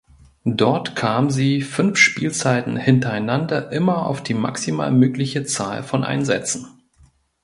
Dort kam sie fünf Spielzeiten hintereinander immer auf die maximal mögliche Zahl von Einsätzen.